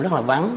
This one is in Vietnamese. rất là vắng